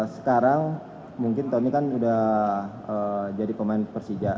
sekarang mungkin tony kan sudah jadi pemain persija